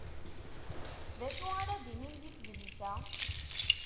D acu ara d-tinim di tezlit-a?